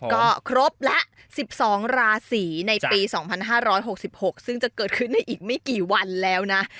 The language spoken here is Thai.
ก็ครบแล้ว๑๒ราศีในปี๒๕๖๖ซึ่งจะเกิดขึ้นในอีกไม่กี่วันแล้วนะ